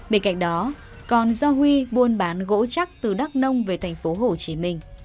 bên cạnh đó còn do huy buôn bán gỗ chắc từ đắk nông về thành phố hồ chí minh